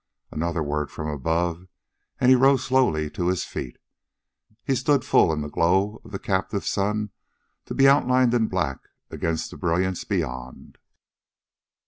Another word from above, and he rose slowly to his feet. He stood full in the glow of the captive sun, to be outlined in black against the brilliance beyond.